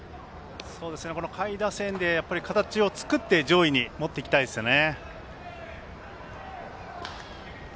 下位打線で形を作って上位に持っていきたいですよね。